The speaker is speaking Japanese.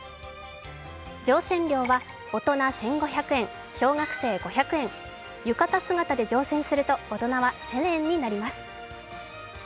乗船料は大人１５００円小学生５００円、浴衣姿で乗船すると大人は１０００円になります。